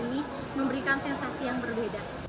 ini memberikan sensasi yang berbeda